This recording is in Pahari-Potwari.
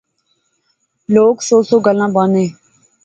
لوک سو سو گلاں بانے